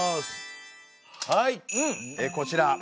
はいこちら。